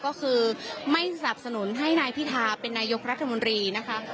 ก็คือไม่สนับสนุนให้นายพิธาเป็นนายกรัฐมนตรีนะคะ